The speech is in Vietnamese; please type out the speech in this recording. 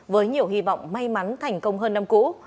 với nhiều hy vọng may mắn thành công hơn năm cũ